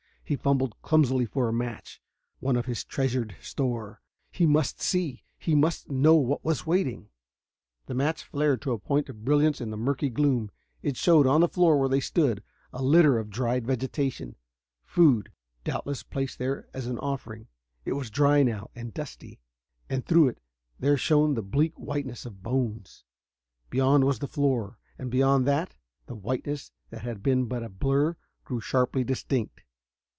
He fumbled clumsily for a match, one of his treasured store. He must see he must know what was waiting The match flared to a point of brilliance in the murky gloom. It showed, on the floor where they stood, a litter of dried vegetation food, doubtless placed there as an offering. It was dry now, and dusty, and through it there shone the bleak whiteness of bones. Beyond was the floor, and beyond that.... The whiteness that had been but a blur grew sharply distinct.